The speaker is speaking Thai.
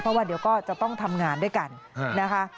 เพราะว่าเดี๋ยวก็จะต้องทำงานด้วยกันนะคะ